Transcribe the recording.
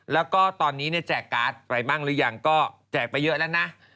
แล้วก็ตอนนี้แจกการ์ดไปบ้างหรือยังก็แจกไปเยอะแล้วนะ